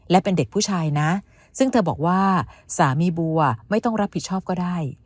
และเป็นเด็กผู้ชายนะซึ่งเธอบอกว่าสามีบัวไม่ต้องรับผิดชอบก็ได้